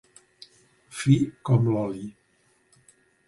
Fi com l'oli.